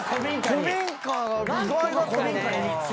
古民家が意外だったからさ。